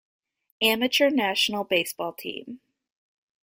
Amateur National Baseball Team.